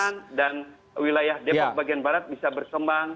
jawaban jalan di sawangan dan wilayah depok bagian barat bisa berkembang